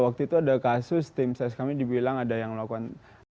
waktu itu ada kasus tim ses kami dibilang ada yang melakukan